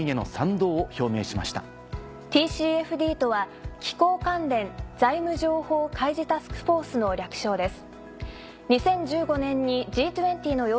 ＴＣＦＤとは気候関連財務情報開示タスクフォースの略称です。